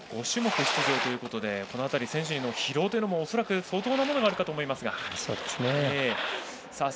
５種目出場ということでこの辺り、選手の疲労も相当なものがあると思いますが。